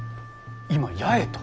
今八重と。